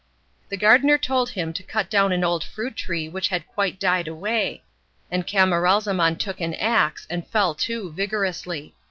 The gardener told him to cut down an old fruit tree which had quite died away, and Camaralzaman took an axe and fell to vigorously.